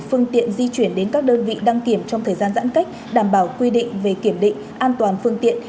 phương tiện di chuyển đến các đơn vị đăng kiểm trong thời gian giãn cách đảm bảo quy định về kiểm định an toàn phương tiện